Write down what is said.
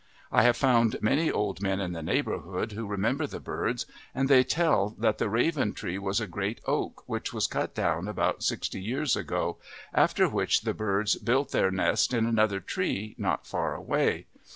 I have found many old men in that neighbourhood who remember the birds, and they tell that the raven tree was a great oak which was cut down about sixty years ago, after which the birds built their nest in another tree not far away.